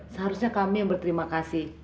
seharusnya kami yang berterima kasih